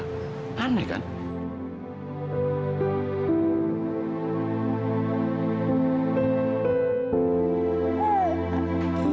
kita selalu saja dipertemukan dengan mita